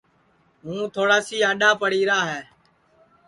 ہوں تھوڑاس اڈؔا پڑی را ہے